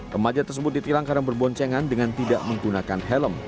remaja tersebut ditilang karena berboncengan dengan tidak menggunakan helm